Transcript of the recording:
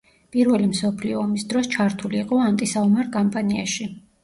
პირველი მსოფლიო ომის დროს ჩართული იყო ანტისაომარ კამპანიაში.